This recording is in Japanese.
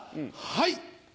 はい！